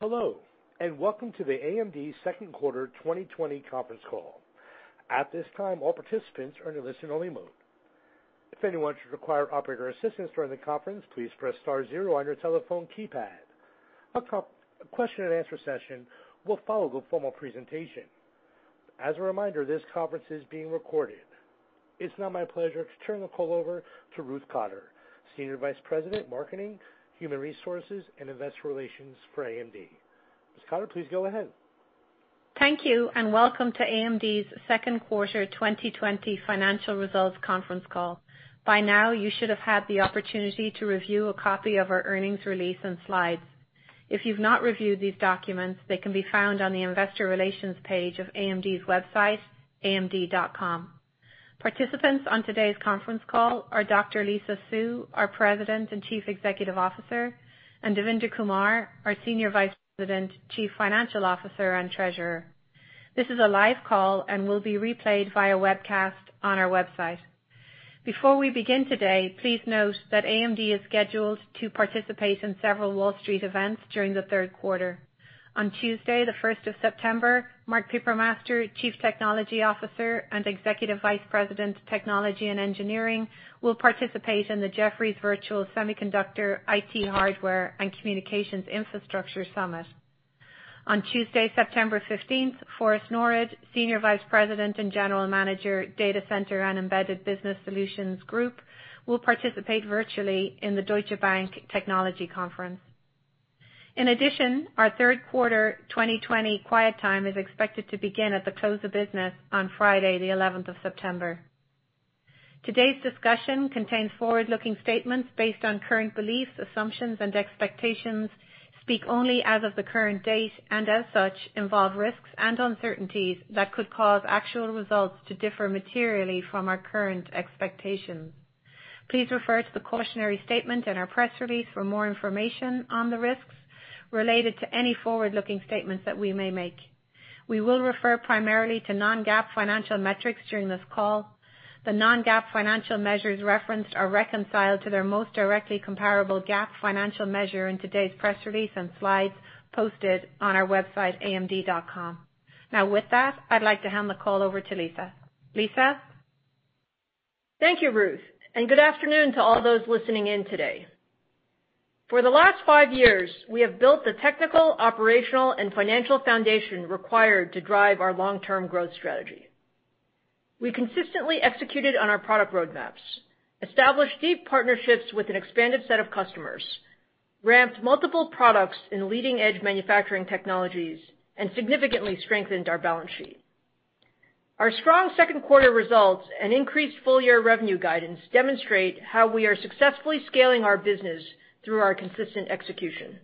Hello, welcome to the AMD second quarter 2020 conference call. At this time, all participants are in a listen-only mode. If anyone should require operator assistance during the conference, please press star zero on your telephone keypad. A question and answer session will follow the formal presentation. As a reminder, this conference is being recorded. It's now my pleasure to turn the call over to Ruth Cotter, Senior Vice President, Marketing, Human Resources, and Investor Relations for AMD. Ms. Cotter, please go ahead. Thank you. Welcome to AMD's second quarter 2020 financial results conference call. By now, you should have had the opportunity to review a copy of our earnings release and slides. If you've not reviewed these documents, they can be found on the investor relations page of AMD's website, amd.com. Participants on today's conference call are Dr. Lisa Su, our President and Chief Executive Officer, and Devinder Kumar, our Senior Vice President, Chief Financial Officer, and Treasurer. This is a live call and will be replayed via webcast on our website. Before we begin today, please note that AMD is scheduled to participate in several Wall Street events during the third quarter. On Tuesday, the 1st of September, Mark Papermaster, Chief Technology Officer and Executive Vice President, Technology and Engineering, will participate in the Jefferies Virtual Semiconductor, IT, Hardware, and Communications Infrastructure Summit. On Tuesday, September 15th, Forrest Norrod, Senior Vice President and General Manager, Data Center and Embedded Business Solutions Group, will participate virtually in the Deutsche Bank Technology Conference. In addition, our third quarter 2020 quiet time is expected to begin at the close of business on Friday, the 11th of September. Today's discussion contains forward-looking statements based on current beliefs, assumptions, and expectations, speak only as of the current date, and as such, involve risks and uncertainties that could cause actual results to differ materially from our current expectations. Please refer to the cautionary statement in our press release for more information on the risks related to any forward-looking statements that we may make. We will refer primarily to non-GAAP financial metrics during this call. The non-GAAP financial measures referenced are reconciled to their most directly comparable GAAP financial measure in today's press release and slides posted on our website, amd.com. Now, with that, I'd like to hand the call over to Lisa. Lisa? Thank you, Ruth, and good afternoon to all those listening in today. For the last five years, we have built the technical, operational, and financial foundation required to drive our long-term growth strategy. We consistently executed on our product roadmaps, established deep partnerships with an expanded set of customers, ramped multiple products in leading-edge manufacturing technologies, and significantly strengthened our balance sheet. Our strong second quarter results and increased full-year revenue guidance demonstrate how we are successfully scaling our business through our consistent execution.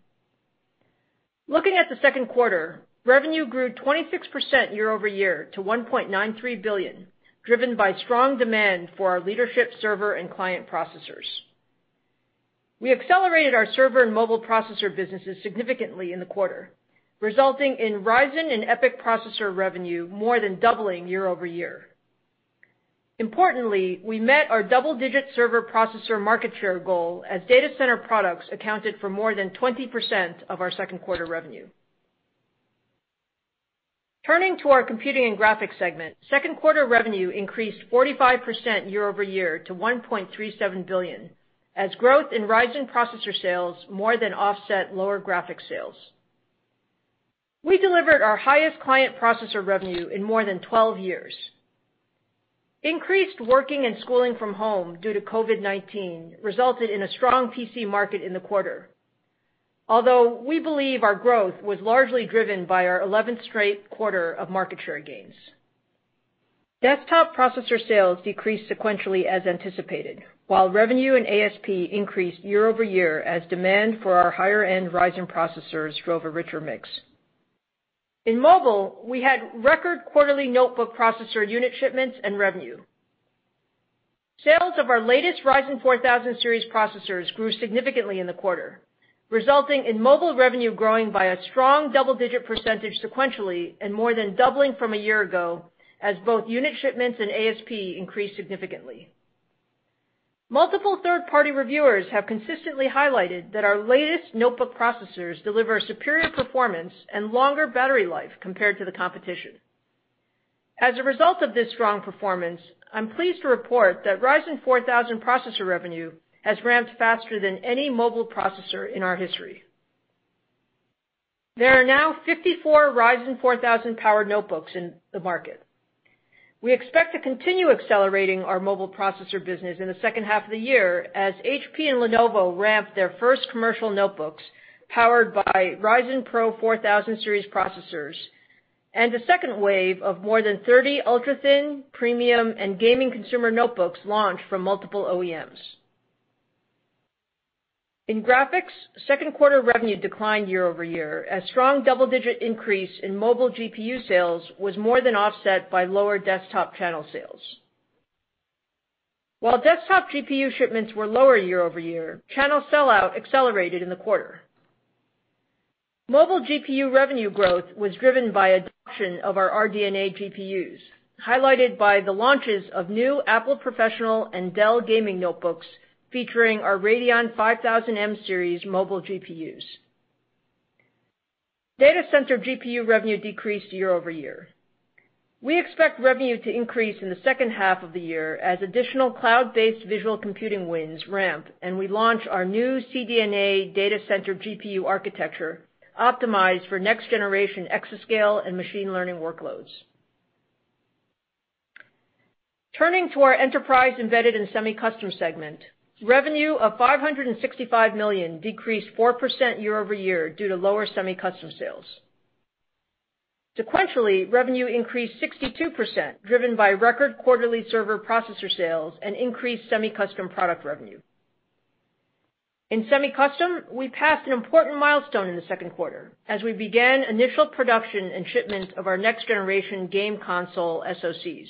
Looking at the second quarter, revenue grew 26% year-over-year to $1.93 billion, driven by strong demand for our leadership server and client processors. We accelerated our server and mobile processor businesses significantly in the quarter, resulting in Ryzen and EPYC processor revenue more than doubling year-over-year. Importantly, we met our double-digit server processor market share goal as data center products accounted for more than 20% of our second quarter revenue. Turning to our Computing and Graphics segment, second quarter revenue increased 45% year-over-year to $1.37 billion, as growth in Ryzen processor sales more than offset lower graphics sales. We delivered our highest client processor revenue in more than 12 years. Increased working and schooling from home due to COVID-19 resulted in a strong PC market in the quarter. Although we believe our growth was largely driven by our 11th straight quarter of market share gains. Desktop processor sales decreased sequentially as anticipated, while revenue and ASP increased year-over-year as demand for our higher-end Ryzen processors drove a richer mix. In mobile, we had record quarterly notebook processor unit shipments and revenue. Sales of our latest Ryzen 4000 series processors grew significantly in the quarter, resulting in mobile revenue growing by a strong double-digit percentage sequentially and more than doubling from a year ago as both unit shipments and ASP increased significantly. Multiple third-party reviewers have consistently highlighted that our latest notebook processors deliver superior performance and longer battery life compared to the competition. As a result of this strong performance, I'm pleased to report that Ryzen 4000 processor revenue has ramped faster than any mobile processor in our history. There are now 54 Ryzen 4000-powered notebooks in the market. We expect to continue accelerating our mobile processor business in the second half of the year as HP and Lenovo ramp their first commercial notebooks powered by Ryzen PRO 4000 series processors and a second wave of more than 30 ultra-thin, premium, and gaming consumer notebooks launched from multiple OEMs. In graphics, second quarter revenue declined year-over-year as strong double-digit increase in mobile GPU sales was more than offset by lower desktop channel sales. While desktop GPU shipments were lower year-over-year, channel sell-out accelerated in the quarter. Mobile GPU revenue growth was driven by adoption of our RDNA GPUs, highlighted by the launches of new Apple professional and Dell gaming notebooks featuring our Radeon Pro 5000M series mobile GPUs. Data center GPU revenue decreased year-over-year. We expect revenue to increase in the second half of the year as additional cloud-based visual computing wins ramp and we launch our new CDNA data center GPU architecture optimized for next-generation exascale and machine learning workloads. Turning to our enterprise embedded and semi-custom segment, revenue of $565 million decreased 4% year-over-year due to lower semi-custom sales. Sequentially, revenue increased 62%, driven by record quarterly server processor sales and increased semi-custom product revenue. In semi-custom, we passed an important milestone in the second quarter as we began initial production and shipment of our next-generation game console SoCs.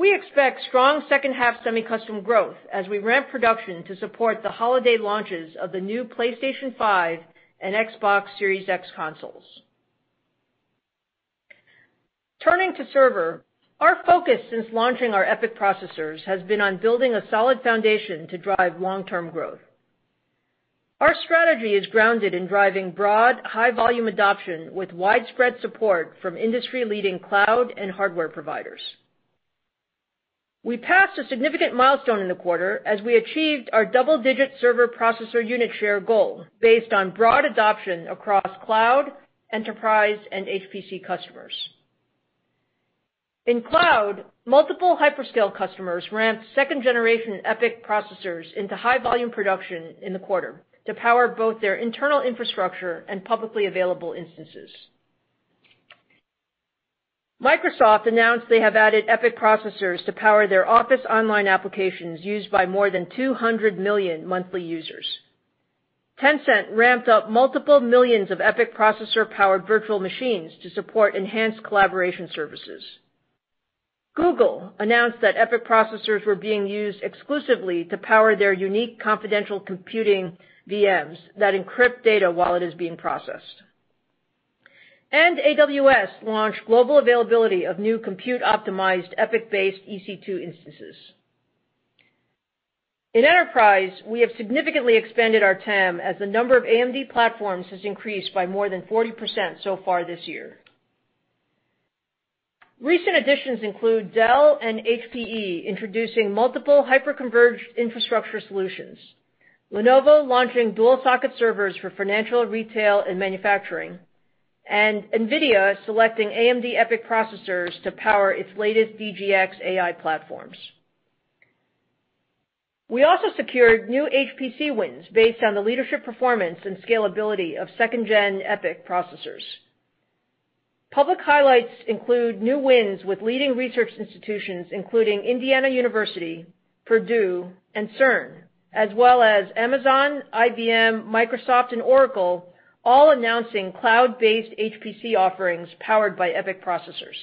We expect strong second-half semi-custom growth as we ramp production to support the holiday launches of the new PlayStation 5 and Xbox Series X consoles. Turning to server, our focus since launching our EPYC processors has been on building a solid foundation to drive long-term growth. Our strategy is grounded in driving broad high-volume adoption with widespread support from industry-leading cloud and hardware providers. We passed a significant milestone in the quarter as we achieved our double-digit server processor unit share goal based on broad adoption across cloud, enterprise, and HPC customers. In cloud, multiple hyperscale customers ramped second-generation EPYC processors into high-volume production in the quarter to power both their internal infrastructure and publicly available instances. Microsoft announced they have added EPYC processors to power their Office Online applications used by more than 200 million monthly users. Tencent ramped up multiple millions of EPYC processor-powered virtual machines to support enhanced collaboration services. Google announced that EPYC processors were being used exclusively to power their unique confidential computing VMs that encrypt data while it is being processed. AWS launched global availability of new compute-optimized EPYC-based EC2 instances. In enterprise, we have significantly expanded our TAM as the number of AMD platforms has increased by more than 40% so far this year. Recent additions include Dell and HPE introducing multiple hyperconverged infrastructure solutions, Lenovo launching dual-socket servers for financial, retail, and manufacturing, and NVIDIA selecting AMD EPYC processors to power its latest DGX AI platforms. We also secured new HPC wins based on the leadership performance and scalability of second-gen EPYC processors. Public highlights include new wins with leading research institutions, including Indiana University, Purdue, and CERN, as well as Amazon, IBM, Microsoft, and Oracle, all announcing cloud-based HPC offerings powered by EPYC processors.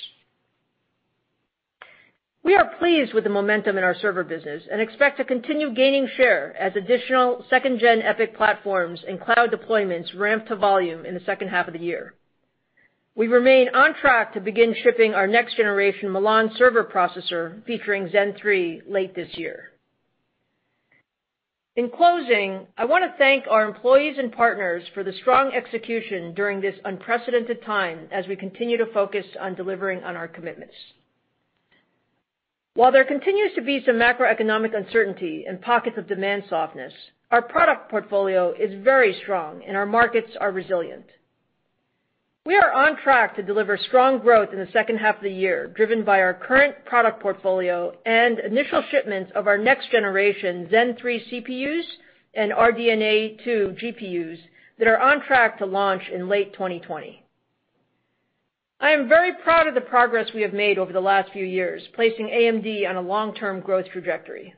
We are pleased with the momentum in our server business and expect to continue gaining share as additional second-gen EPYC platforms and cloud deployments ramp to volume in the second half of the year. We remain on track to begin shipping our next-generation Milan server processor featuring Zen 3 late this year. In closing, I want to thank our employees and partners for the strong execution during this unprecedented time as we continue to focus on delivering on our commitments. While there continues to be some macroeconomic uncertainty and pockets of demand softness, our product portfolio is very strong and our markets are resilient. We are on track to deliver strong growth in the second half of the year, driven by our current product portfolio and initial shipments of our next-generation Zen 3 CPUs and RDNA 2 GPUs that are on track to launch in late 2020. I am very proud of the progress we have made over the last few years, placing AMD on a long-term growth trajectory.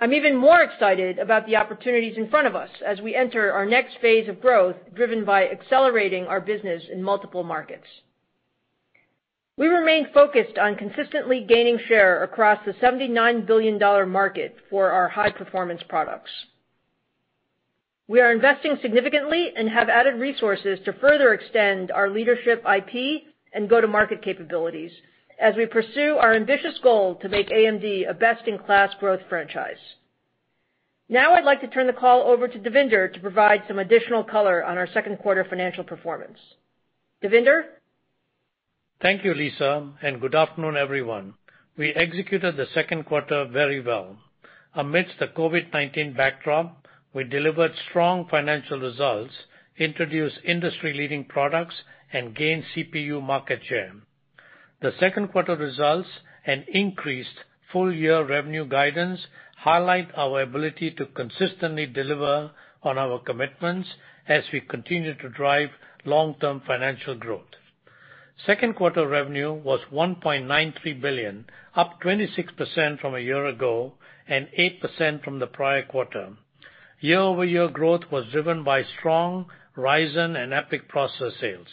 I'm even more excited about the opportunities in front of us as we enter our next phase of growth, driven by accelerating our business in multiple markets. We remain focused on consistently gaining share across the $79 billion market for our high-performance products. We are investing significantly and have added resources to further extend our leadership IP and go-to-market capabilities as we pursue our ambitious goal to make AMD a best-in-class growth franchise. Now I'd like to turn the call over to Devinder to provide some additional color on our second quarter financial performance. Devinder? Thank you, Lisa, and good afternoon, everyone. We executed the second quarter very well. Amidst the COVID-19 backdrop, we delivered strong financial results, introduced industry-leading products, and gained CPU market share. The second quarter results and increased full-year revenue guidance highlight our ability to consistently deliver on our commitments as we continue to drive long-term financial growth. Second quarter revenue was $1.93 billion, up 26% from a year ago and 8% from the prior quarter. Year-over-year growth was driven by strong Ryzen and EPYC processor sales.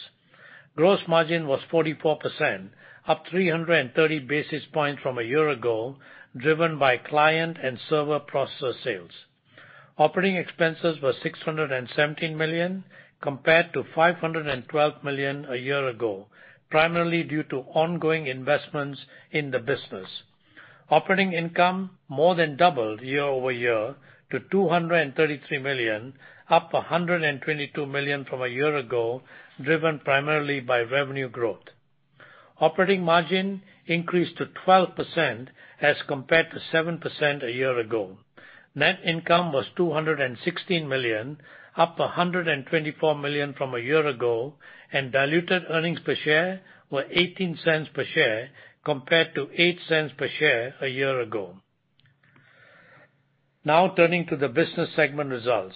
Gross margin was 44%, up 330 basis points from a year ago, driven by client and server processor sales. Operating expenses were $617 million compared to $512 million a year ago, primarily due to ongoing investments in the business. Operating income more than doubled year-over-year to $233 million, up $122 million from a year ago, driven primarily by revenue growth. Operating margin increased to 12% as compared to 7% a year ago. Net income was $216 million, up $124 million from a year ago, and diluted earnings per share were $0.18 per share compared to $0.08 per share a year ago. Turning to the business segment results.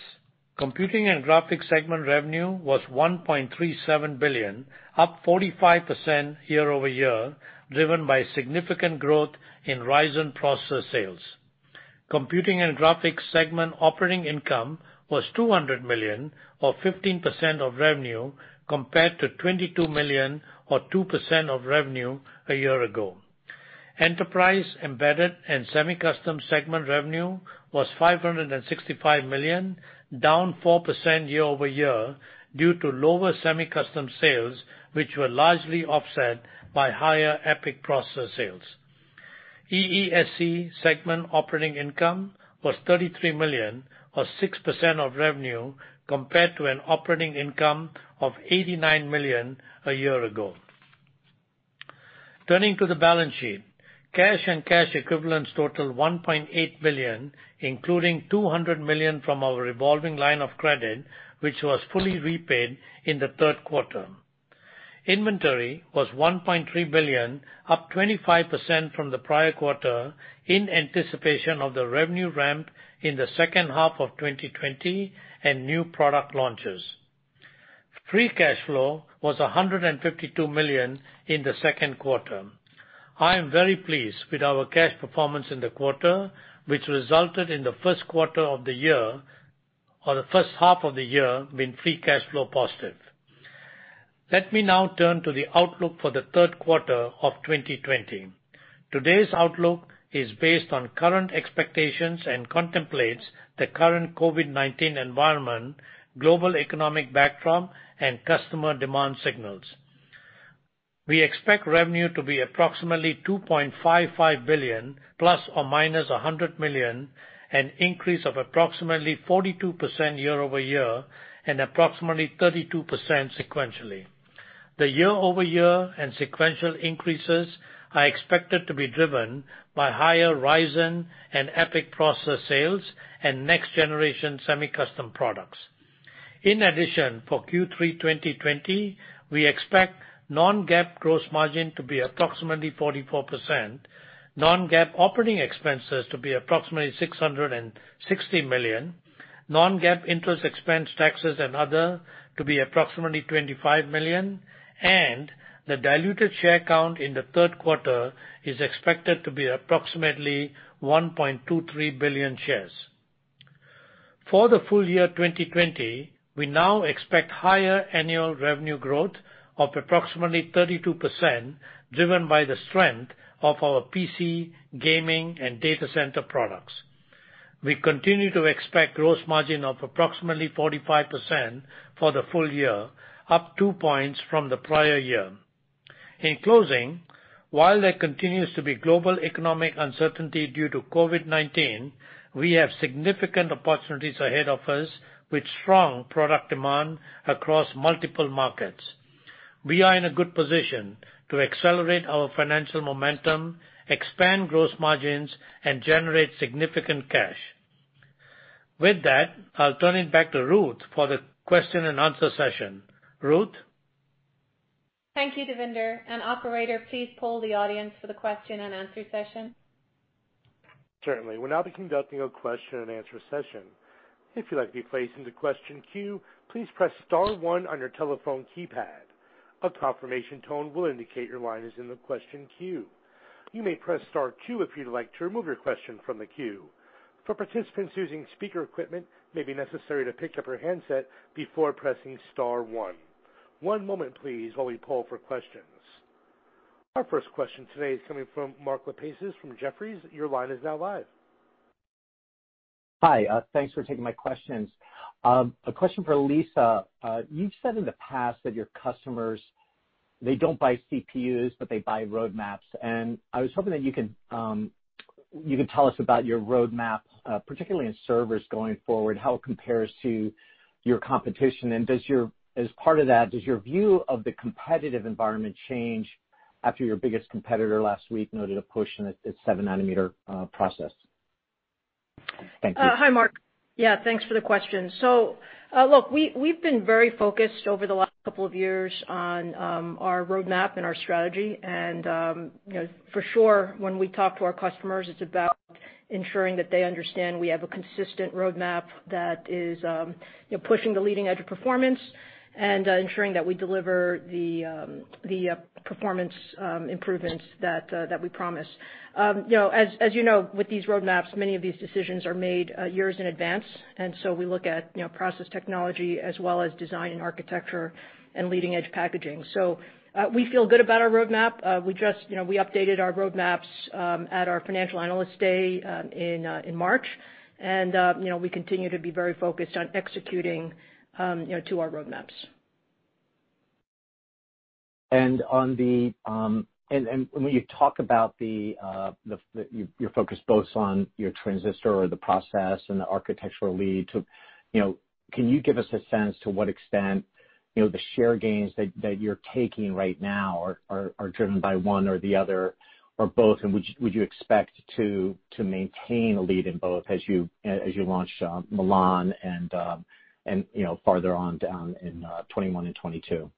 Computing and Graphics segment revenue was $1.37 billion, up 45% year-over-year, driven by significant growth in Ryzen processor sales. Computing and Graphics segment operating income was $200 million, or 15% of revenue, compared to $22 million, or 2% of revenue a year ago. Enterprise, Embedded, and Semi-Custom segment revenue was $565 million, down 4% year-over-year due to lower semi-custom sales, which were largely offset by higher EPYC processor sales. EESC segment operating income was $33 million, or 6% of revenue, compared to an operating income of $89 million a year ago. Turning to the balance sheet. Cash and cash equivalents total $1.8 billion, including $200 million from our revolving line of credit, which was fully repaid in the third quarter. Inventory was $1.3 billion, up 25% from the prior quarter in anticipation of the revenue ramp in the second half of 2020 and new product launches. Free cash flow was $152 million in the second quarter. I am very pleased with our cash performance in the quarter, which resulted in the first quarter of the year, but the first half of the year being free cash flow positive. Let me now turn to the outlook for the third quarter of 2020. Today's outlook is based on current expectations and contemplates the current COVID-19 environment, global economic backdrop, and customer demand signals. We expect revenue to be approximately $2.55 billion, ±$100 million, an increase of approximately 42% year-over-year and approximately 32% sequentially. The year-over-year and sequential increases are expected to be driven by higher Ryzen and EPYC processor sales and next-generation semi-custom products. In addition, for Q3 2020, we expect non-GAAP gross margin to be approximately 44%, non-GAAP operating expenses to be approximately $660 million, non-GAAP interest expense, taxes, and other to be approximately $25 million, and the diluted share count in the third quarter is expected to be approximately 1.23 billion shares. For the full year 2020, we now expect higher annual revenue growth of approximately 32%, driven by the strength of our PC, gaming, and data center products. We continue to expect gross margin of approximately 45% for the full year, up two points from the prior year. In closing, while there continues to be global economic uncertainty due to COVID-19, we have significant opportunities ahead of us with strong product demand across multiple markets. We are in a good position to accelerate our financial momentum, expand gross margins, and generate significant cash. With that, I'll turn it back to Ruth for the question and answer session. Ruth? Thank you, Devinder. Operator, please poll the audience for the question and answer session. Certainly. We'll now be conducting a question and answer session. If you'd like to be placed into question queue, please press star one on your telephone keypad. A confirmation tone will indicate your line is in the question queue. You may press star two if you'd like to remove your question from the queue. For participants using speaker equipment, it may be necessary to pick up your handset before pressing star one. One moment, please, while we poll for questions. Our first question today is coming from Mark Lipacis from Jefferies. Your line is now live. Hi. Thanks for taking my questions. A question for Lisa. I was hoping that you could tell us about your roadmap, particularly in servers going forward, how it compares to your competition. As part of that, does your view of the competitive environment change after your biggest competitor last week noted a push in its seven-nanometer process? Thank you. Hi, Mark. Yeah, thanks for the question. Look, we've been very focused over the last couple of years on our roadmap and our strategy. For sure, when we talk to our customers, it's about ensuring that they understand we have a consistent roadmap that is pushing the leading edge of performance and ensuring that we deliver the performance improvements that we promise. As you know, with these roadmaps, many of these decisions are made years in advance, we look at process technology as well as design and architecture and leading edge packaging. We feel good about our roadmap. We updated our roadmaps at our Financial Analyst Day in March, we continue to be very focused on executing to our roadmaps. When you talk about your focus both on your transistor or the process and the architectural lead, can you give us a sense to what extent the share gains that you're taking right now are driven by one or the other or both and would you expect to maintain a lead in both as you launch Milan and farther on down in 2021 and 2022?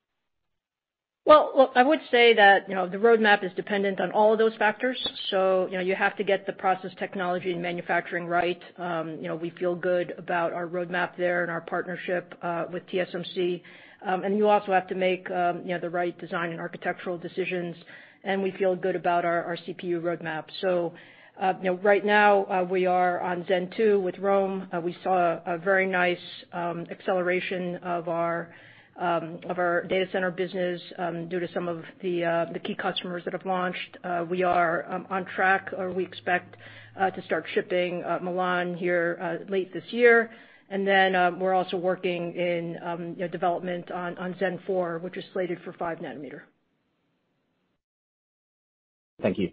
I would say that the roadmap is dependent on all of those factors. You have to get the process technology and manufacturing right. We feel good about our roadmap there and our partnership with TSMC. You also have to make the right design and architectural decisions, and we feel good about our CPU roadmap. Right now, we are on Zen 2 with Rome. We saw a very nice acceleration of our data center business due to some of the key customers that have launched. We are on track, or we expect to start shipping Milan here late this year. Then we're also working in development on Zen 4, which is slated for five nanometer. Thank you.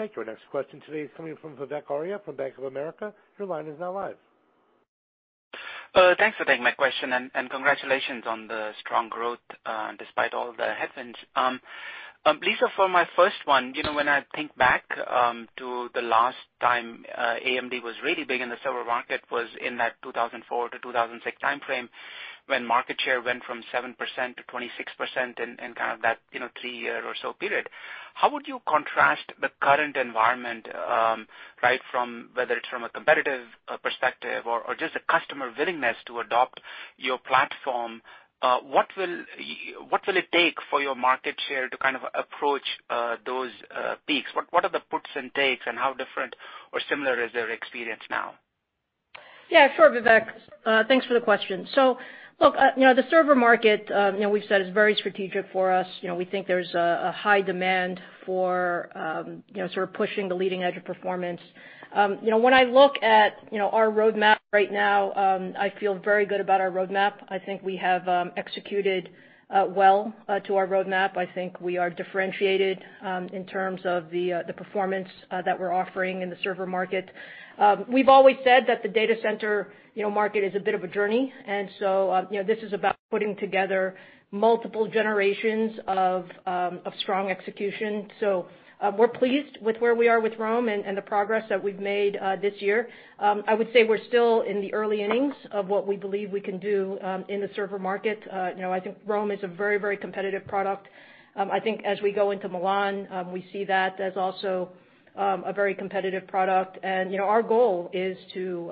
Thank you. Our next question today is coming from Vivek Arya from Bank of America. Your line is now live. Thanks for taking my question. Congratulations on the strong growth despite all the headwinds. Lisa, for my first one, when I think back to the last time AMD was really big in the server market was in that 2004 to 2006 timeframe when market share went from 7%-26% in that three-year or so period. How would you contrast the current environment, whether it's from a competitive perspective or just a customer willingness to adopt your platform? What will it take for your market share to kind of approach those peaks? What are the puts and takes? How different or similar is their experience now? Yeah, sure, Vivek. Thanks for the question. Look, the server market we've said is very strategic for us. We think there's a high demand for sort of pushing the leading edge of performance. When I look at our roadmap right now, I feel very good about our roadmap. I think we have executed well to our roadmap. I think we are differentiated in terms of the performance that we're offering in the server market. We've always said that the data center market is a bit of a journey, and so this is about putting together multiple generations of strong execution. We're pleased with where we are with Rome and the progress that we've made this year. I would say we're still in the early innings of what we believe we can do in the server market. I think Rome is a very competitive product. I think as we go into Milan, we see that as also a very competitive product. Our goal is to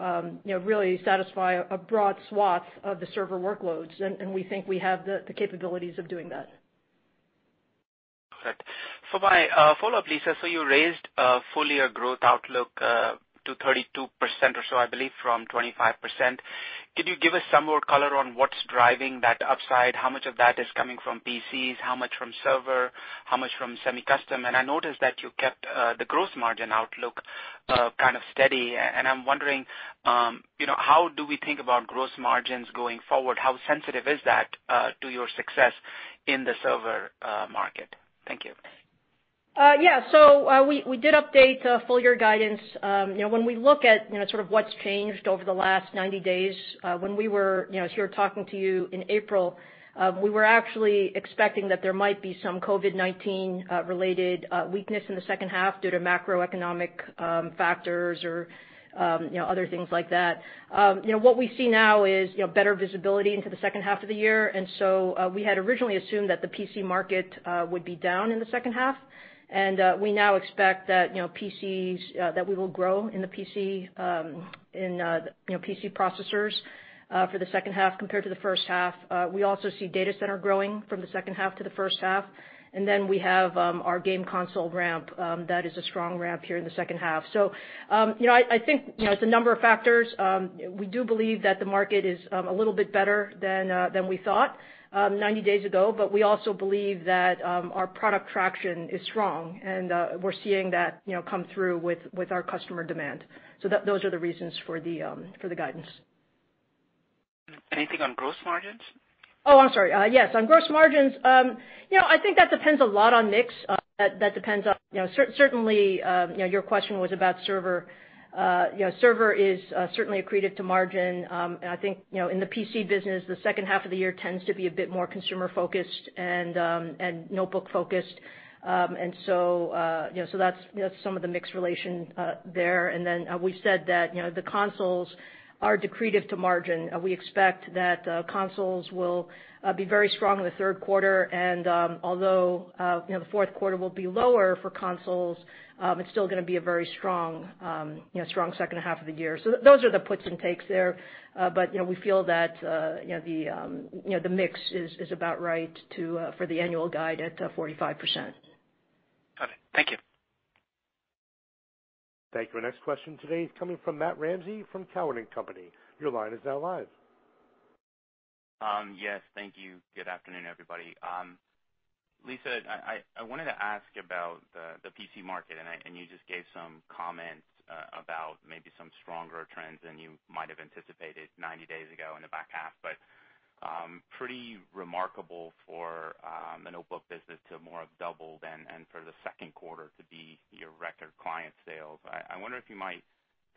really satisfy a broad swath of the server workloads, and we think we have the capabilities of doing that. Perfect. For my follow-up, Lisa, you raised full-year growth outlook to 32% or so, I believe, from 25%. Could you give us some more color on what's driving that upside? How much of that is coming from PCs, how much from server, how much from semi-custom? I noticed that you kept the gross margin outlook kind of steady, and I'm wondering how do we think about gross margins going forward? How sensitive is that to your success in the server market? Thank you. Yeah. We did update full-year guidance. When we look at sort of what's changed over the last 90 days, when we were here talking to you in April, we were actually expecting that there might be some COVID-19 related weakness in the second half due to macroeconomic factors or other things like that. What we see now is better visibility into the second half of the year. We had originally assumed that the PC market would be down in the second half, and we now expect that we will grow in the PC processors for the second half compared to the first half. We also see data center growing from the second half to the first half. We have our game console ramp. That is a strong ramp here in the second half. I think it's a number of factors. We do believe that the market is a little bit better than we thought 90 days ago. We also believe that our product traction is strong, and we're seeing that come through with our customer demand. Those are the reasons for the guidance. Anything on gross margins? Oh, I'm sorry. Yes. On gross margins, I think that depends a lot on mix. Certainly, your question was about server. Server is certainly accretive to margin. I think, in the PC business, the second half of the year tends to be a bit more consumer focused and notebook focused. That's some of the mix relation there. We said that the consoles are dilutive to margin. We expect that consoles will be very strong in the third quarter. Although the fourth quarter will be lower for consoles, it's still going to be a very strong second half of the year. Those are the puts and takes there. We feel that the mix is about right for the annual guide at 45%. Got it. Thank you. Thank you. Our next question today is coming from Matt Ramsay from Cowen and Company. Your line is now live. Yes. Thank you. Good afternoon, everybody. Lisa, I wanted to ask about the PC market. You just gave some comments about maybe some stronger trends than you might have anticipated 90 days ago in the back half, pretty remarkable for the notebook business to more have doubled and for the second quarter to be your record client sales. I wonder if you might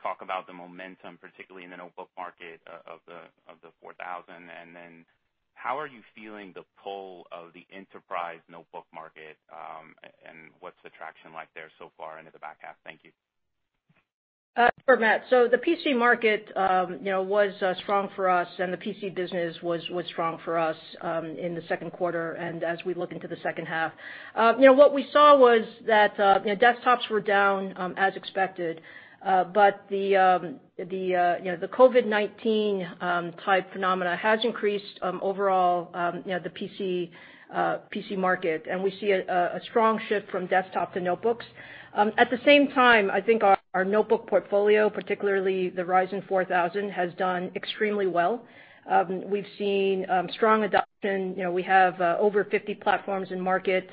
talk about the momentum, particularly in the notebook market of the 4000. Then how are you feeling the pull of the enterprise notebook market? What's the traction like there so far into the back half? Thank you. Sure, Matt. The PC market was strong for us, and the PC business was strong for us in the second quarter and as we look into the second half. What we saw was that desktops were down as expected. The COVID-19 type phenomena has increased overall the PC market, and we see a strong shift from desktop to notebooks. At the same time, I think our notebook portfolio, particularly the Ryzen 4000, has done extremely well. We've seen strong adoption. We have over 50 platforms in market.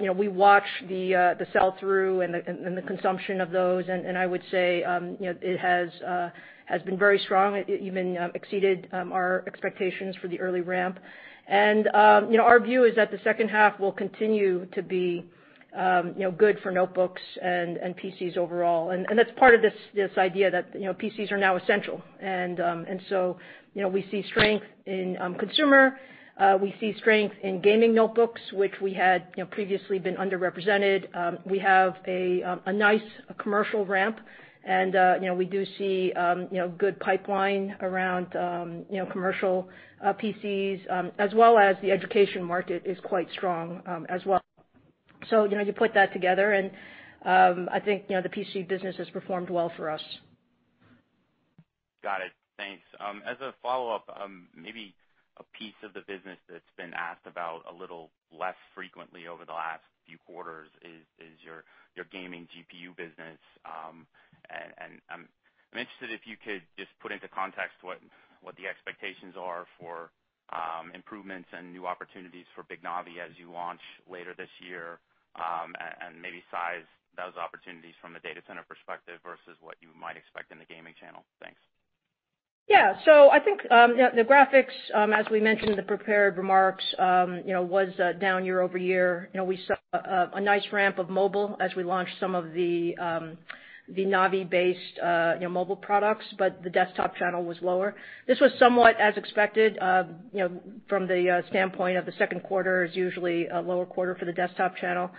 We watch the sell-through and the consumption of those, and I would say it has been very strong. It even exceeded our expectations for the early ramp. Our view is that the second half will continue to be good for notebooks and PCs overall. That's part of this idea that PCs are now essential. We see strength in consumer. We see strength in gaming notebooks, which we had previously been underrepresented. We have a nice commercial ramp, and we do see good pipeline around commercial PCs, as well as the education market is quite strong as well. You put that together, and I think the PC business has performed well for us. Got it. Thanks. As a follow-up, maybe a piece of the business that's been asked about a little less frequently over the last few quarters is your gaming GPU business. I'm interested if you could just put into context what the expectations are for improvements and new opportunities for Big Navi as you launch later this year, and maybe size those opportunities from a data center perspective versus what you might expect in the gaming channel. Thanks. I think the graphics, as we mentioned in the prepared remarks, was down year-over-year. We saw a nice ramp of mobile as we launched some of the Navi-based mobile products, but the desktop channel was lower. This was somewhat as expected from the standpoint of the second quarter is usually a lower quarter for the desktop channel.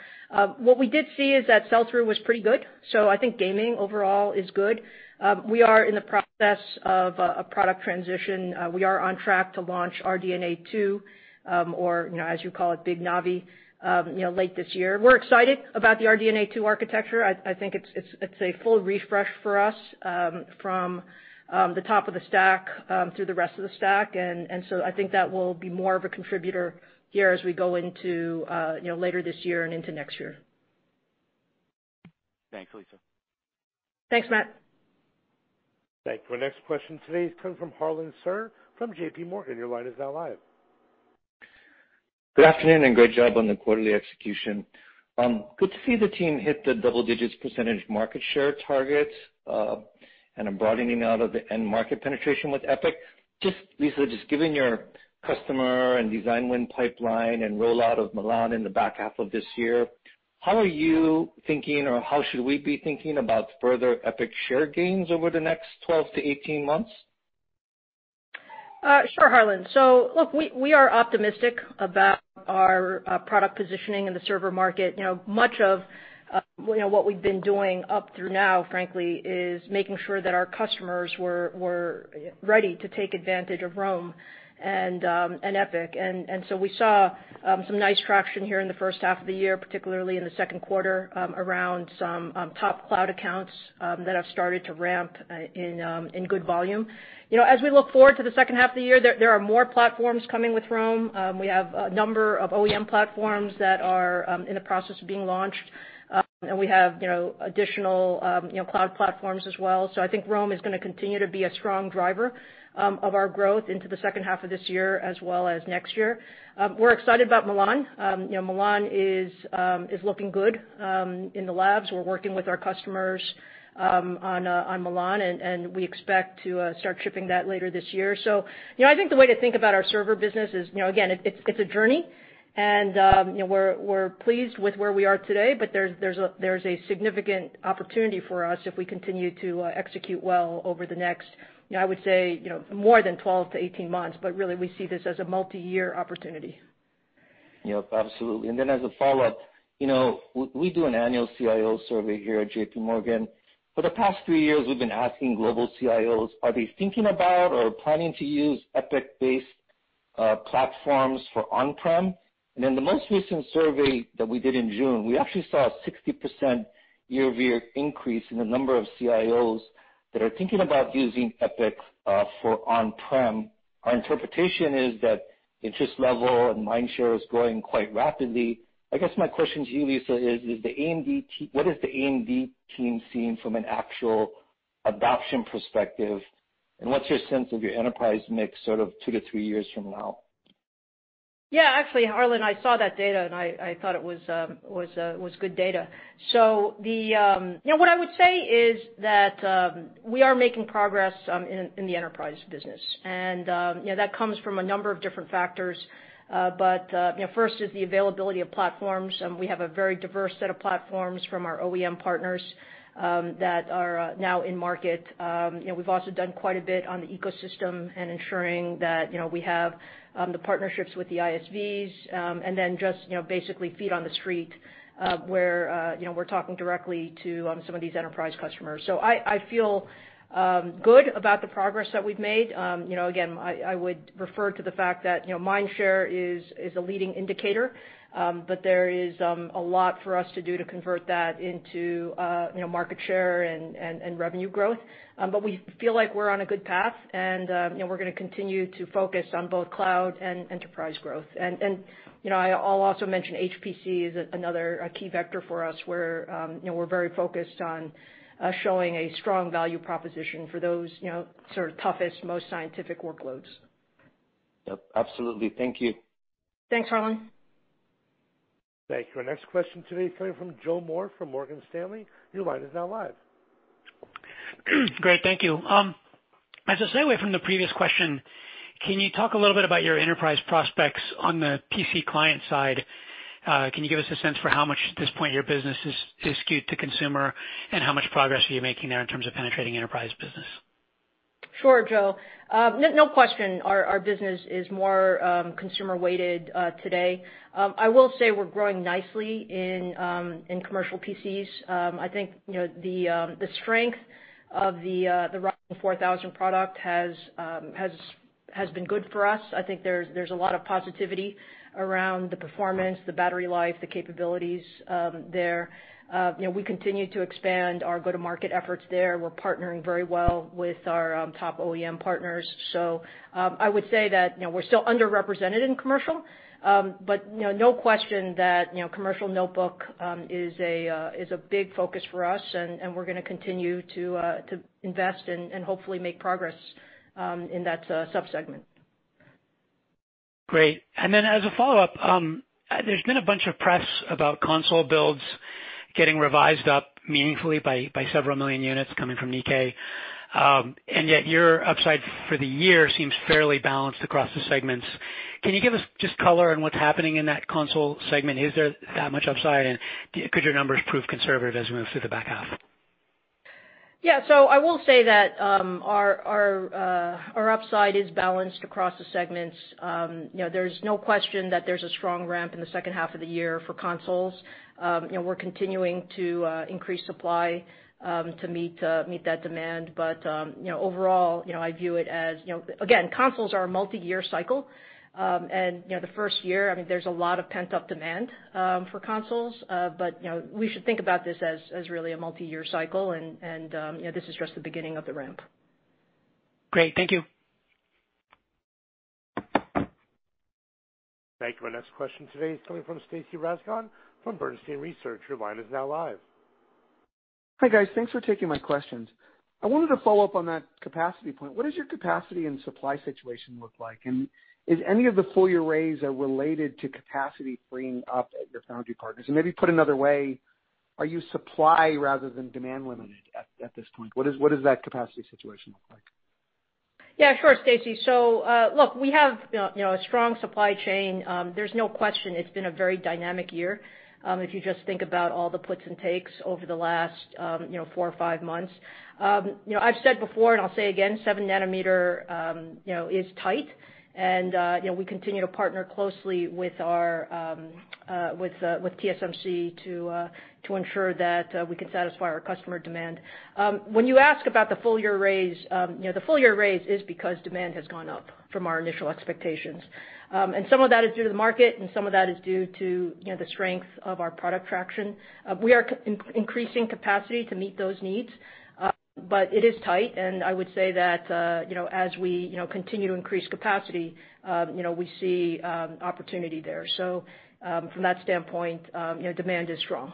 What we did see is that sell-through was pretty good. I think gaming overall is good. We are in the process of a product transition. We are on track to launch RDNA 2, or as you call it, Big Navi, late this year. We're excited about the RDNA 2 architecture. I think it's a full refresh for us from the top of the stack through the rest of the stack. I think that will be more of a contributor here as we go into later this year and into next year. Thanks, Lisa. Thanks, Matt. Thank you. Our next question today is coming from Harlan Sur from JPMorgan. Your line is now live. Good afternoon. Great job on the quarterly execution. Good to see the team hit the double digits percentage market share targets, and a broadening out of the end market penetration with EPYC. Lisa, just given your customer and design win pipeline and rollout of Milan in the back half of this year, how are you thinking or how should we be thinking about further EPYC share gains over the next 12-18 months? Sure, Harlan. Look, we are optimistic about our product positioning in the server market. Much of what we've been doing up through now, frankly, is making sure that our customers were ready to take advantage of Rome and EPYC. We saw some nice traction here in the first half of the year, particularly in the second quarter, around some top cloud accounts that have started to ramp in good volume. As we look forward to the second half of the year, there are more platforms coming with Rome. We have a number of OEM platforms that are in the process of being launched. We have additional cloud platforms as well. I think Rome is going to continue to be a strong driver of our growth into the second half of this year as well as next year. We're excited about Milan. Milan is looking good in the labs. We're working with our customers on Milan, and we expect to start shipping that later this year. I think the way to think about our server business is, again, it's a journey, and we're pleased with where we are today, but there's a significant opportunity for us if we continue to execute well over the next, I would say, more than 12-18 months, but really, we see this as a multi-year opportunity. Yep, absolutely. As a follow-up, we do an annual CIO survey here at JPMorgan. For the past three years, we've been asking global CIOs, are they thinking about or planning to use EPYC-based platforms for on-prem? In the most recent survey that we did in June, we actually saw a 60% year-over-year increase in the number of CIOs that are thinking about using EPYC for on-prem. Our interpretation is that interest level and mind share is growing quite rapidly. I guess my question to you, Lisa, is what is the AMD team seeing from an actual adoption perspective? What's your sense of your enterprise mix sort of two-three years from now? Actually, Harlan, I saw that data. I thought it was good data. What I would say is that we are making progress in the enterprise business. That comes from a number of different factors. First is the availability of platforms. We have a very diverse set of platforms from our OEM partners that are now in market. We've also done quite a bit on the ecosystem and ensuring that we have the partnerships with the ISVs, just basically feet on the street, where we're talking directly to some of these enterprise customers. I feel good about the progress that we've made. Again, I would refer to the fact that mind share is a leading indicator. There is a lot for us to do to convert that into market share and revenue growth. We feel like we're on a good path, and we're going to continue to focus on both cloud and enterprise growth. I'll also mention HPC is another key vector for us, where we're very focused on showing a strong value proposition for those sort of toughest, most scientific workloads. Yep, absolutely. Thank you. Thanks, Harlan. Thank you. Our next question today coming from Joe Moore from Morgan Stanley. Your line is now live. Great. Thank you. As a segue from the previous question, can you talk a little bit about your enterprise prospects on the PC client side? Can you give us a sense for how much at this point your business is skewed to consumer, and how much progress are you making there in terms of penetrating enterprise business? Sure, Joe. No question our business is more consumer weighted today. I will say we're growing nicely in commercial PCs. I think the strength of the Ryzen 4000 product has been good for us. I think there's a lot of positivity around the performance, the battery life, the capabilities there. We continue to expand our go-to-market efforts there. We're partnering very well with our top OEM partners. I would say that we're still underrepresented in commercial. No question that commercial notebook is a big focus for us and we're going to continue to invest and hopefully make progress in that sub-segment. Great. As a follow-up, there's been a bunch of press about console builds getting revised up meaningfully by several million units coming from Nikkei. Yet your upside for the year seems fairly balanced across the segments. Can you give us just color on what's happening in that console segment? Is there that much upside, and could your numbers prove conservative as we move through the back half? Yeah. I will say that our upside is balanced across the segments. There's no question that there's a strong ramp in the second half of the year for consoles. We're continuing to increase supply to meet that demand. Overall, I view it as, again, consoles are a multi-year cycle. The first year, I mean, there's a lot of pent-up demand for consoles. We should think about this as really a multi-year cycle and this is just the beginning of the ramp. Great. Thank you. Thank you. Our next question today is coming from Stacy Rasgon from Bernstein Research. Your line is now live. Hi, guys. Thanks for taking my questions. I wanted to follow up on that capacity point. What does your capacity and supply situation look like? Is any of the full year raise related to capacity freeing up at your foundry partners? Maybe put another way, are you supply rather than demand limited at this point? What does that capacity situation look like? Yeah, sure, Stacy. Look, we have a strong supply chain. There's no question it's been a very dynamic year, if you just think about all the puts and takes over the last four or five months. I've said before, I'll say again, seven nanometer is tight. We continue to partner closely with TSMC to ensure that we can satisfy our customer demand. When you ask about the full year raise, the full year raise is because demand has gone up from our initial expectations. Some of that is due to the market, some of that is due to the strength of our product traction. We are increasing capacity to meet those needs. It is tight. I would say that as we continue to increase capacity, we see opportunity there. From that standpoint demand is strong.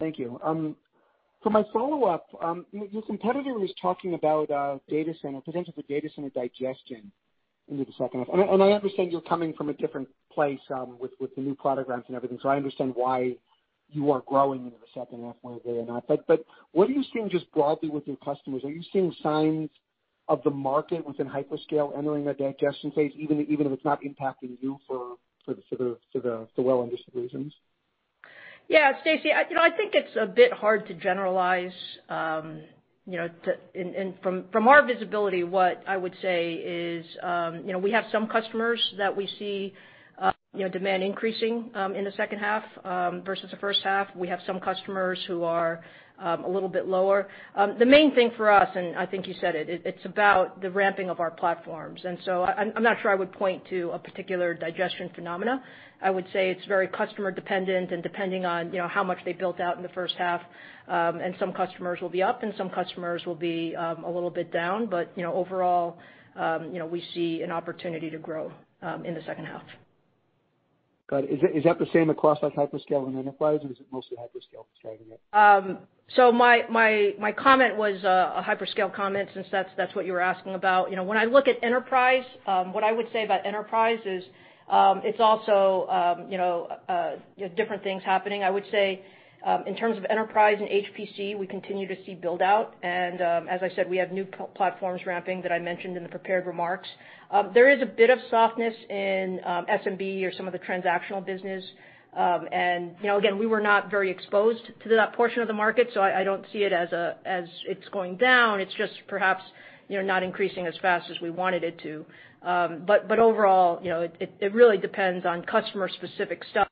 Thank you. For my follow-up, your competitor was talking about data center, potential for data center digestion into the second half. I understand you're coming from a different place with the new product ramps and everything, so I understand why you aren't growing into the second half one way or another. What are you seeing just broadly with your customers? Are you seeing signs of the market within hyperscale entering a digestion phase, even if it's not impacting you for the well-understood reasons? Stacy, I think it's a bit hard to generalize, and from our visibility, what I would say is we have some customers that we see demand increasing in the second half versus the first half. We have some customers who are a little bit lower. The main thing for us, and I think you said it's about the ramping of our platforms. I'm not sure I would point to a particular digestion phenomena. I would say it's very customer dependent and depending on how much they built out in the first half. Some customers will be up and some customers will be a little bit down. Overall, we see an opportunity to grow in the second half. Got it. Is that the same across like hyperscale and enterprise, or is it mostly hyperscale driving it? My comment was a hyperscale comment since that's what you were asking about. When I look at enterprise, what I would say about enterprise is, it's also different things happening. I would say, in terms of enterprise and HPC, we continue to see build-out. As I said, we have new platforms ramping that I mentioned in the prepared remarks. There is a bit of softness in SMB or some of the transactional business. Again, we were not very exposed to that portion of the market, I don't see it as it's going down. It's just perhaps not increasing as fast as we wanted it to. Overall, it really depends on customer specific stuff.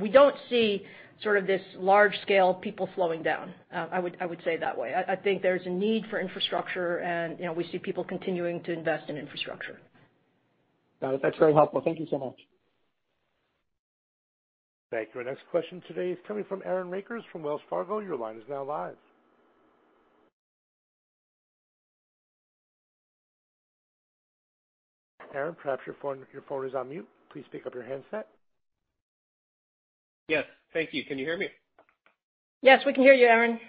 We don't see sort of this large-scale people flowing down. I would say it that way. I think there's a need for infrastructure, and we see people continuing to invest in infrastructure. Got it. That's very helpful. Thank you so much. Thank you. Our next question today is coming from Aaron Rakers from Wells Fargo. Your line is now live. Aaron, perhaps your phone is on mute. Please pick up your handset. Yes. Thank you. Can you hear me? Yes, we can hear you, Aaron.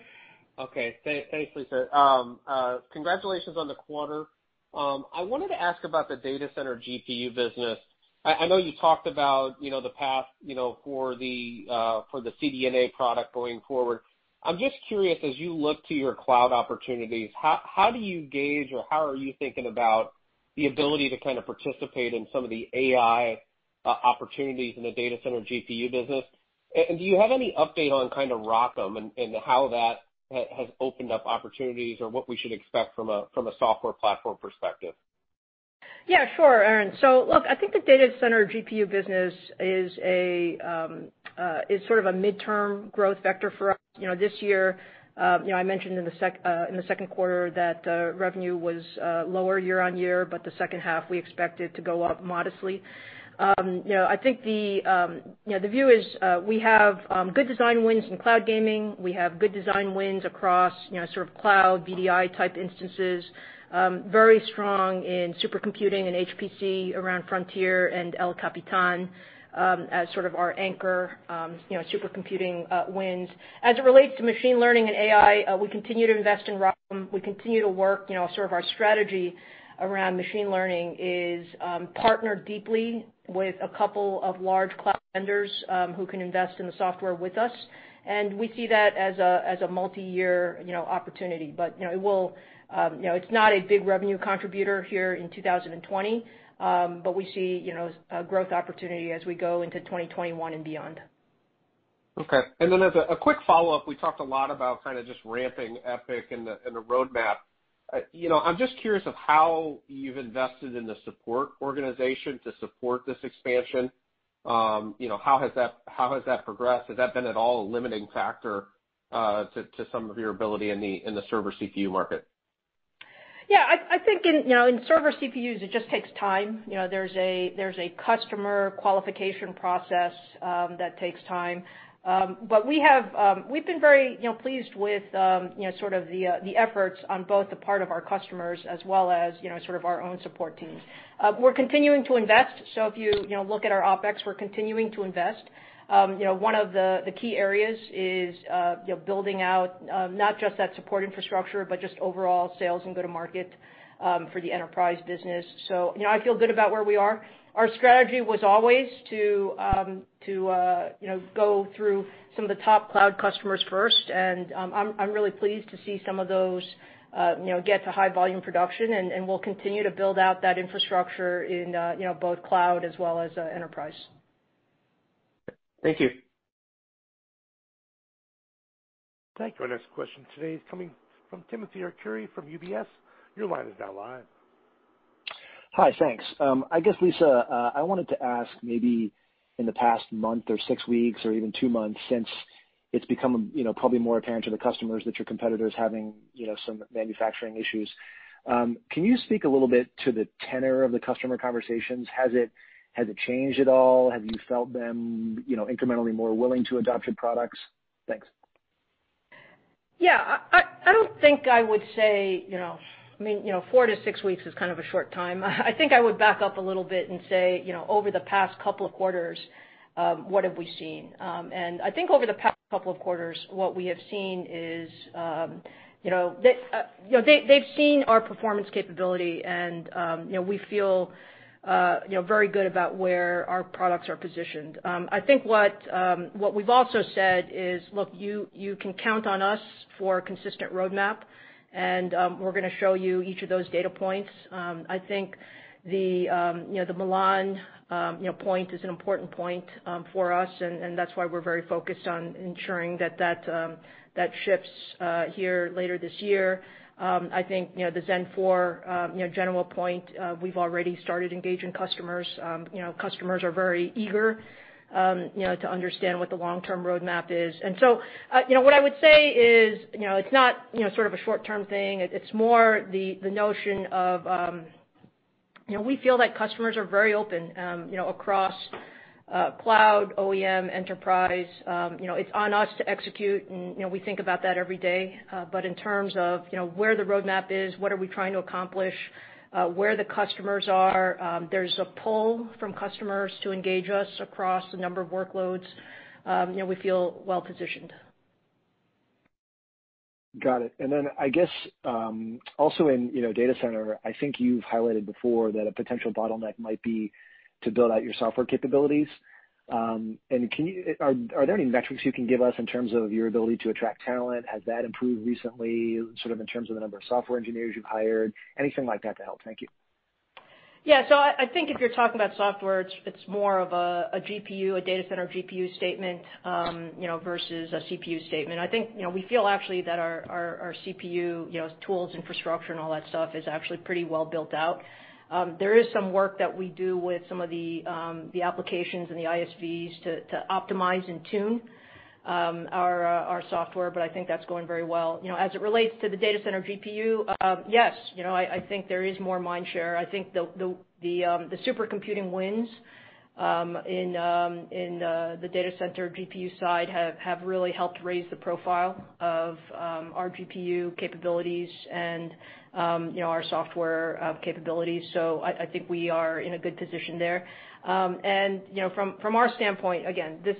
Okay. Thanks, Lisa. Congratulations on the quarter. I wanted to ask about the data center GPU business. I know you talked about the path for the CDNA product going forward. I'm just curious, as you look to your cloud opportunities, how do you gauge, or how are you thinking about the ability to participate in some of the AI opportunities in the data center GPU business? Do you have any update on ROCm and how that has opened up opportunities, or what we should expect from a software platform perspective? Sure, Aaron. I think the data center GPU business is sort of a midterm growth vector for us. This year, I mentioned in the second quarter that the revenue was lower year-over-year, but the second half, we expect it to go up modestly. I think the view is, we have good design wins in cloud gaming. We have good design wins across cloud VDI type instances, very strong in supercomputing and HPC around Frontier and El Capitan as sort of our anchor supercomputing wins. As it relates to machine learning and AI, we continue to invest in ROCm. We continue to work, sort of our strategy around machine learning is partner deeply with a couple of large cloud vendors who can invest in the software with us, and we see that as a multi-year opportunity. It's not a big revenue contributor here in 2020, but we see a growth opportunity as we go into 2021 and beyond. Okay. As a quick follow-up, we talked a lot about kind of just ramping EPYC and the roadmap. I'm just curious of how you've invested in the support organization to support this expansion. How has that progressed? Has that been at all a limiting factor to some of your ability in the server CPU market? I think in server CPUs, it just takes time. There's a customer qualification process that takes time. We've been very pleased with the efforts on both the part of our customers as well as our own support teams. We're continuing to invest, so if you look at our OpEx, we're continuing to invest. One of the key areas is building out not just that support infrastructure, but just overall sales and go-to-market for the enterprise business. I feel good about where we are. Our strategy was always to go through some of the top cloud customers first, and I'm really pleased to see some of those get to high volume production, and we'll continue to build out that infrastructure in both cloud as well as enterprise. Thank you. Thank you. Our next question today is coming from Timothy Arcuri from UBS. Your line is now live. Hi. Thanks. I guess, Lisa, I wanted to ask maybe in the past month or six weeks or even two months, since it's become probably more apparent to the customers that your competitor is having some manufacturing issues, can you speak a little bit to the tenor of the customer conversations? Has it changed at all? Have you felt them incrementally more willing to adopt your products? Thanks. I don't think I would say four to six weeks is kind of a short time. I think I would back up a little bit and say, over the past couple of quarters, what have we seen? I think over the past couple of quarters, what we have seen is they've seen our performance capability and we feel very good about where our products are positioned. I think what we've also said is, look, you can count on us for a consistent roadmap, and we're going to show you each of those data points. I think the Milan point is an important point for us, and that's why we're very focused on ensuring that ships here later this year. I think, the Zen 4 general point, we've already started engaging customers. Customers are very eager to understand what the long-term roadmap is. What I would say is, it's not sort of a short-term thing. It's more the notion of we feel that customers are very open across cloud, OEM, enterprise. It's on us to execute, and we think about that every day. In terms of where the roadmap is, what are we trying to accomplish, where the customers are, there's a pull from customers to engage us across a number of workloads. We feel well-positioned. Got it. Then I guess, also in data center, I think you've highlighted before that a potential bottleneck might be to build out your software capabilities. Are there any metrics you can give us in terms of your ability to attract talent? Has that improved recently, sort of in terms of the number of software engineers you've hired? Anything like that to help. Thank you. I think if you're talking about software, it's more of a data center GPU statement, versus a CPU statement. I think, we feel actually that our CPU tools, infrastructure, and all that stuff is actually pretty well built out. There is some work that we do with some of the applications and the ISVs to optimize and tune our software, I think that's going very well. As it relates to the data center GPU, yes, I think there is more mind share. I think the supercomputing wins in the data center GPU side have really helped raise the profile of our GPU capabilities and our software capabilities. I think we are in a good position there. From our standpoint, again, this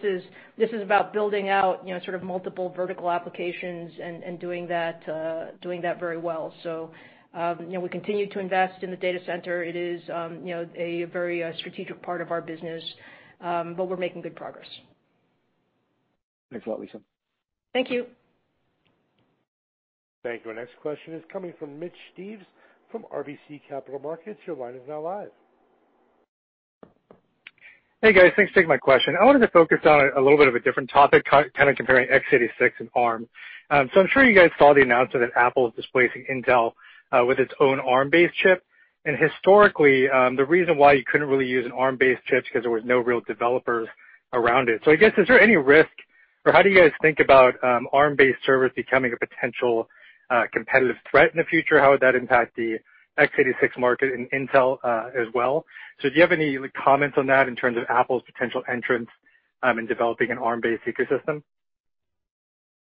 is about building out sort of multiple vertical applications and doing that very well. We continue to invest in the data center. It is a very strategic part of our business, but we're making good progress. Thanks a lot, Lisa. Thank you. Thank you. Our next question is coming from Mitch Steves from RBC Capital Markets. Your line is now live. Hey, guys. Thanks for taking my question. I wanted to focus on a little bit of a different topic, kind of comparing x86 and Arm. I'm sure you guys saw the announcement that Apple is displacing Intel, with its own Arm-based chip. Historically, the reason why you couldn't really use an Arm-based chip is because there was no real developer around it. I guess, is there any risk, or how do you guys think about Arm-based servers becoming a potential competitive threat in the future? How would that impact the x86 market and Intel as well? Do you have any comments on that in terms of Apple's potential entrance in developing an Arm-based ecosystem?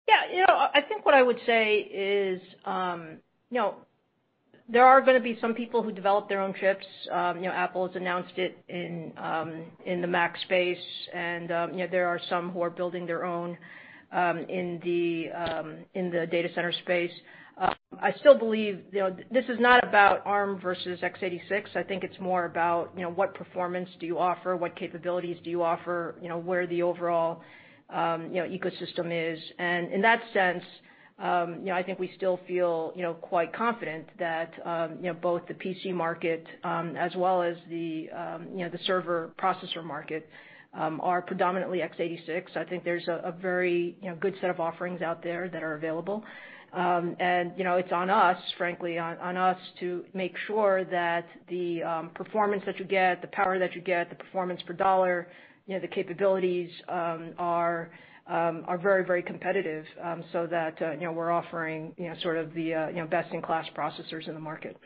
Yeah. I think what I would say is there are going to be some people who develop their own chips. Apple has announced it in the Mac space and there are some who are building their own in the data center space. I still believe this is not about Arm versus x86. I think it's more about what performance do you offer, what capabilities do you offer, where the overall ecosystem is. In that sense, I think we still feel quite confident that both the PC market, as well as the server processor market, are predominantly x86. I think there's a very good set of offerings out there that are available. It's on us, frankly, on us to make sure that the performance that you get, the power that you get, the performance per dollar, the capabilities are very competitive, so that we're offering sort of the best-in-class processors in the market.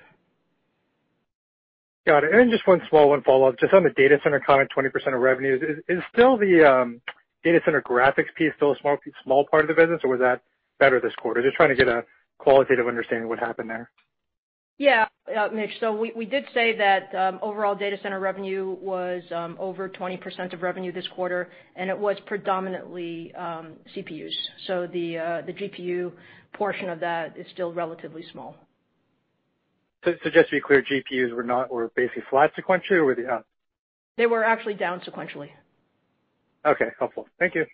Got it. Just one small follow-up, just on the data center comment, 20% of revenues. Is still the data center graphics piece still a small part of the business, or was that better this quarter? Just trying to get a qualitative understanding of what happened there. Yeah. Mitch, we did say that overall data center revenue was over 20% of revenue this quarter, and it was predominantly CPUs. The GPU portion of that is still relatively small. Just to be clear, GPUs were basically flat sequentially? Or were they up? They were actually down sequentially. Okay. Helpful. Thank you.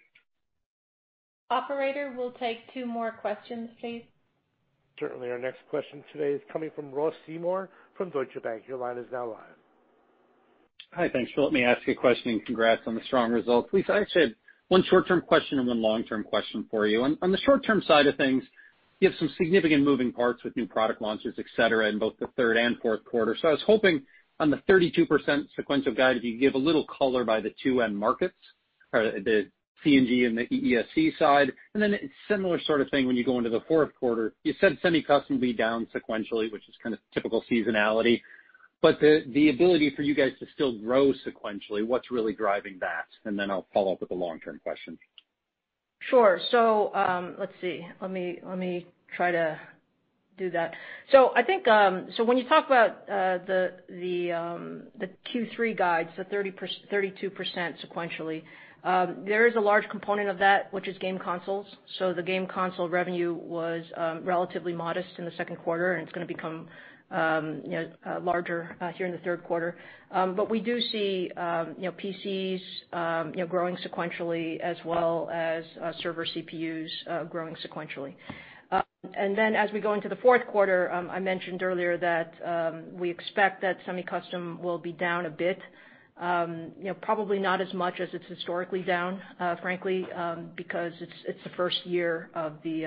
Operator, we'll take two more questions, please. Certainly. Our next question today is coming from Ross Seymour from Deutsche Bank. Your line is now live. Hi. Thanks for letting me ask a question, and congrats on the strong results. Lisa, I actually have one short-term question and one long-term question for you. On the short-term side of things, you have some significant moving parts with new product launches, et cetera, in both the third and fourth quarter. I was hoping on the 32% sequential guide, if you could give a little color by the two end markets, or the C&G and the EESC side. A similar sort of thing when you go into the fourth quarter. You said semi-custom will be down sequentially, which is kind of typical seasonality. The ability for you guys to still grow sequentially, what's really driving that? I'll follow up with the long-term question. Sure. Let's see. Let me try to do that. When you talk about the Q3 guides, the 32% sequentially, there is a large component of that which is game consoles. The game console revenue was relatively modest in the second quarter, and it's going to become larger here in the third quarter. We do see PCs growing sequentially as well as server CPUs growing sequentially. As we go into the fourth quarter, I mentioned earlier that we expect that semi-custom will be down a bit. Probably not as much as it's historically down, frankly, because it's the first year of the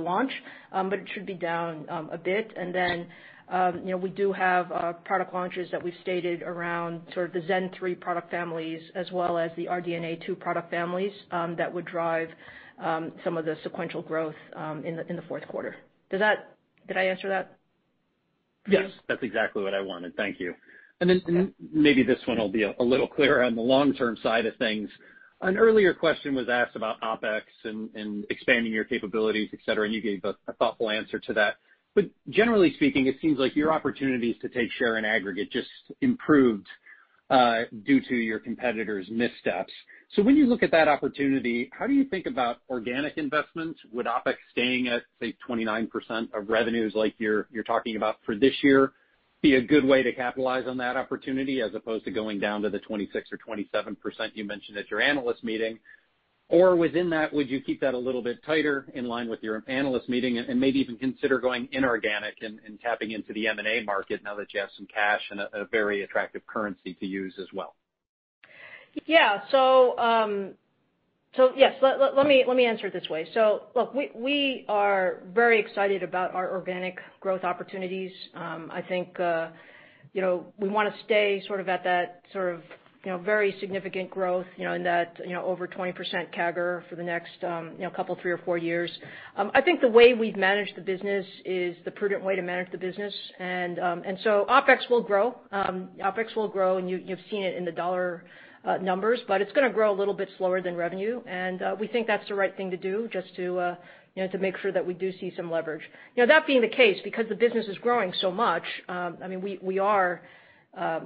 launch. It should be down a bit. We do have product launches that we've stated around sort of the Zen 3 product families as well as the RDNA 2 product families, that would drive some of the sequential growth in the fourth quarter. Did I answer that? Yes. That's exactly what I wanted. Thank you. Maybe this one will be a little clearer on the long-term side of things. An earlier question was asked about OpEx and expanding your capabilities, et cetera, and you gave a thoughtful answer to that. Generally speaking, it seems like your opportunities to take share and aggregate just improved due to your competitors' missteps. When you look at that opportunity, how do you think about organic investments? Would OpEx staying at, say, 29% of revenues like you're talking about for this year, be a good way to capitalize on that opportunity as opposed to going down to the 26% or 27% you mentioned at your analyst meeting? Within that, would you keep that a little bit tighter in line with your analyst meeting and maybe even consider going inorganic and tapping into the M&A market now that you have some cash and a very attractive currency to use as well? Yeah. Yes. Let me answer it this way. Look, we are very excited about our organic growth opportunities. I think we want to stay sort of at that very significant growth, in that over 20% CAGR for the next couple, three or four years. I think the way we've managed the business is the prudent way to manage the business. OpEx will grow, and you've seen it in the dollar numbers, but it's going to grow a little bit slower than revenue. We think that's the right thing to do just to make sure that we do see some leverage. That being the case, because the business is growing so much,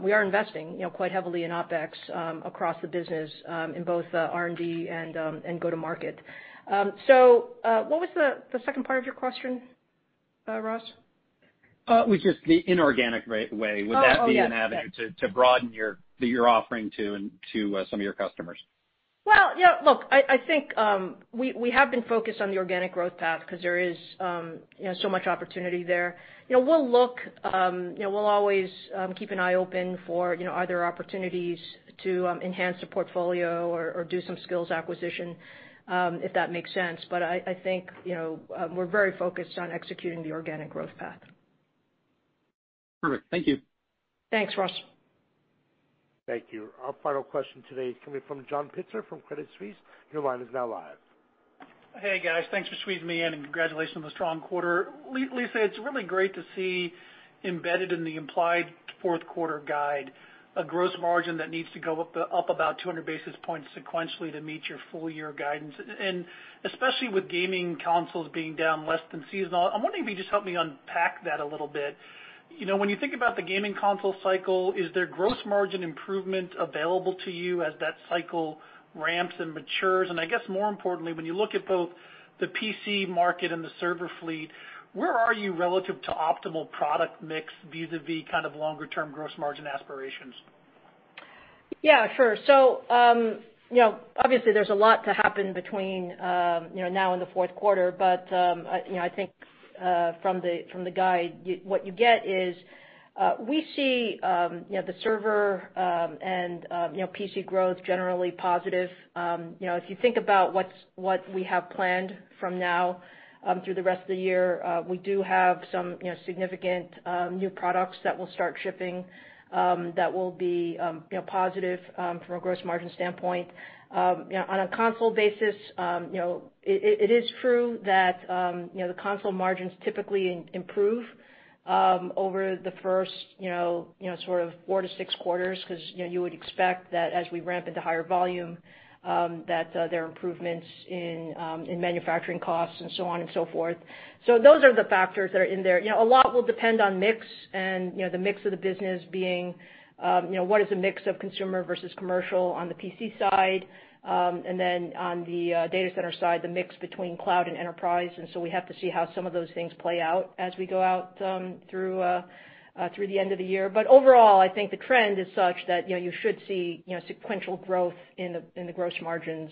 we are investing quite heavily in OpEx, across the business, in both R&D and go-to-market. What was the second part of your question, Ross? It was just the inorganic way. Oh, yes. Would that be an avenue to broaden your offering to some of your customers? Well, yeah, look, I think, we have been focused on the organic growth path because there is so much opportunity there. We'll always keep an eye open for other opportunities to enhance the portfolio or do some skills acquisition, if that makes sense. I think, we're very focused on executing the organic growth path. Perfect. Thank you. Thanks, Ross. Thank you. Our final question today is coming from John Pitzer from Credit Suisse. Your line is now live. Hey, guys. Thanks for squeezing me in, and congratulations on the strong quarter. Lisa, it's really great to see embedded in the implied fourth-quarter guide, a gross margin that needs to go up about 200 basis points sequentially to meet your full year guidance. Especially with gaming consoles being down less than seasonal, I'm wondering if you could just help me unpack that a little. When you think about the gaming console cycle, is there gross margin improvement available to you as that cycle ramps and matures? I guess more importantly, when you look at both the PC market and the server fleet, where are you relative to optimal product mix vis-a-vis longer term gross margin aspirations? Yeah, sure. Obviously, there's a lot to happen between now and the fourth quarter. I think, from the guide, what you get is, we see the server and PC growth generally positive. If you think about what we have planned from now through the rest of the year, we do have some significant new products that will start shipping, that will be positive from a gross margin standpoint. On a console basis, it is true that the console margins typically improve over the first four to six quarters, because you would expect that as we ramp into higher volume, that there are improvements in manufacturing costs and so on and so forth. Those are the factors that are in there. A lot will depend on mix and the mix of the business being what is the mix of consumer versus commercial on the PC side. On the data center side, the mix between cloud and enterprise. We have to see how some of those things play out as we go out through the end of the year. Overall, I think the trend is such that you should see sequential growth in the gross margins,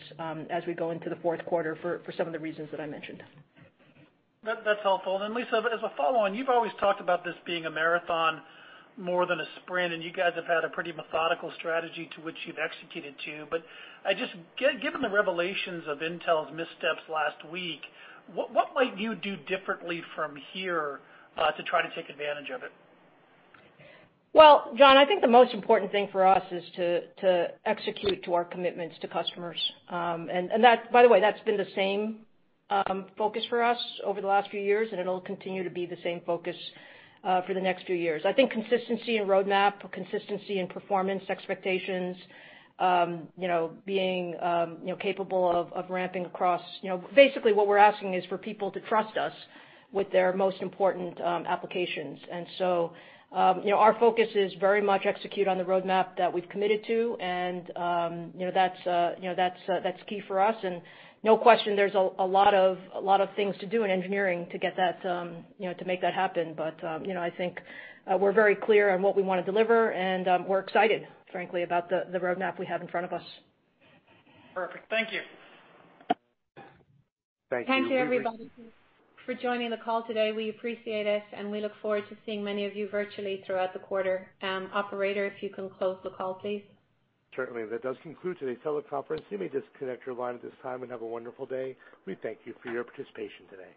as we go into the fourth quarter for some of the reasons that I mentioned. That's helpful. As a follow-on, you've always talked about this being a marathon more than a sprint, and you guys have had a pretty methodical strategy to which you've executed to. Just given the revelations of Intel's missteps last week, what might you do differently from here, to try to take advantage of it? Well, John, I think the most important thing for us is to execute to our commitments to customers. By the way, that's been the same focus for us over the last few years, and it'll continue to be the same focus for the next few years. I think consistency in roadmap, consistency in performance expectations, being capable of ramping across. Basically, what we're asking is for people to trust us with their most important applications. So, our focus is very much execute on the roadmap that we've committed to, and that's key for us. No question, there's a lot of things to do in engineering to make that happen. I think we're very clear on what we want to deliver, and we're excited, frankly, about the roadmap we have in front of us. Perfect. Thank you. Thank you. Thank you, everybody, for joining the call today. We appreciate it, and we look forward to seeing many of you virtually throughout the quarter. Operator, if you can close the call, please. Certainly. That does conclude today's teleconference. You may disconnect your line at this time and have a wonderful day. We thank you for your participation today.